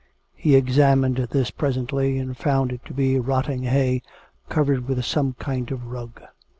He examined this presently, and found it to be rotting hay covered with some kind of rug.